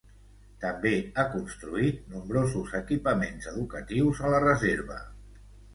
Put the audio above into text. També ha construït nombrosos equipaments educatius a la reserva.